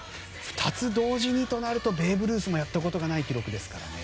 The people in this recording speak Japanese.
２つ同時にとなるとベーブ・ルースもやったことがない記録ですからね。